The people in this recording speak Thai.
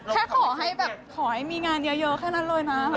แค่ขอให้แบบขอให้มีงานเยอะแค่นั้นเลยนะ